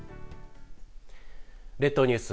列島ニュース